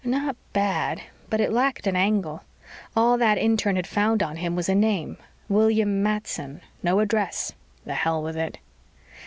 Not bad, but it lacked an angle. All that intern had found on him was a name. William Matson. No address. The hell with it.